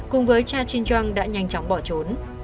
cùng với cha chin yong đã nhanh chóng bỏ trốn